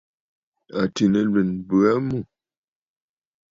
Àtì nɨlwèn a bə aa mû.